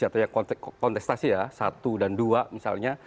atau ya kontestasi ya satu dan dua misalnya